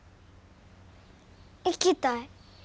行きたい。